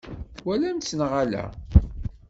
Twalamt-tt neɣ ala?